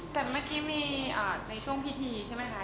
แต่เมื่อกี้มีในช่วงพิธีใช่ไหมคะ